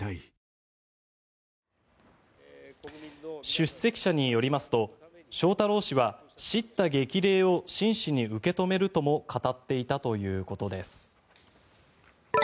出席者によりますと翔太郎氏は叱咤激励を真摯に受け止めるとも語っていたということです。